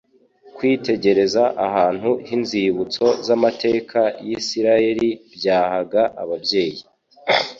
Kwitegereza ahantu h'inzibutso z'amateka y'Isiraeli byahaga ababyeyi